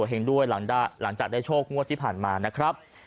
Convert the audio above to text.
เห็งด้วยหลังจากได้โชคงวดที่ผ่านมานะครับ